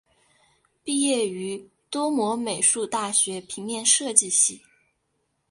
毕业于多摩美术大学平面设计系。